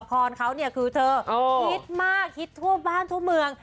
พรเขาเนี่ยคือเธอฮิตมากฮิตทั่วบ้านทั่วเมือง